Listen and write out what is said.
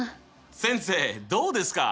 先生どうですか？